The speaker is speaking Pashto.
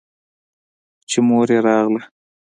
چې مور يې راغله.